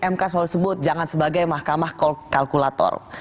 mk selalu sebut jangan sebagai mahkamah kalkulator